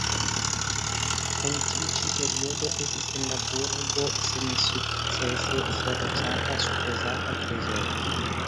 En tiu ĉi periodo estis en la burgo sensukcese serĉata supozata trezoro.